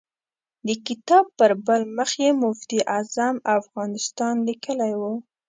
د کتاب پر بل مخ یې مفتي اعظم افغانستان لیکلی و.